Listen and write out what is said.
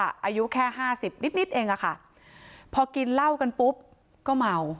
อายุแค่ห้าสิบนิดนิดเองอะค่ะพอกินเหล้ากันปุ๊บก็เมา